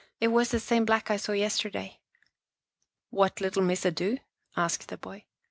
It was the same Black I saw yesterday." " What little Missa do? " asked the boy.